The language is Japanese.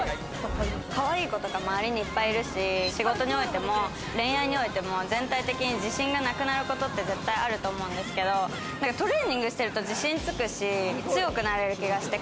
かわいい子とか周りにいっぱいいるし、仕事においても、恋愛においても全体的に自信がなくなることって絶対あると思うんですけど、トレーニングしてると自信つくし、強くなれる気がして。